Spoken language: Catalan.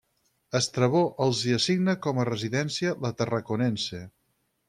Estrabó els hi assigna com a residència la Tarraconense.